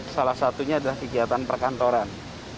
salah satunya adalah kegiatan perkantoran